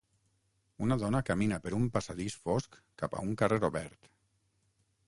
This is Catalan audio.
Una dona camina per un passadís fosc cap a un carrer obert.